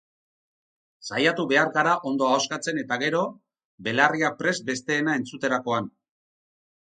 Saiatu behar gara ondo ahoskatzen eta gero, belarriak prest besteena entzuterakoan.